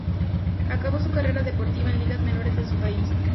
Acabó su carrera deportiva en ligas menores de su país.